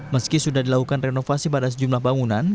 meski sudah dilakukan renovasi pada sejumlah bangunan